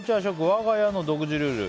わが家の独自ルール。